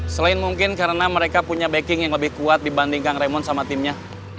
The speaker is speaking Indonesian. selain mungkin karena mereka punya backing yang lebih kuat dibanding kang raymond sama timnya